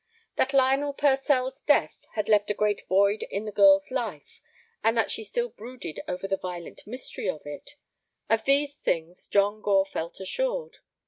That Lionel Purcell's death had left a great void in the girl's life, and that she still brooded over the violent mystery of it, of these things John Gore felt assured.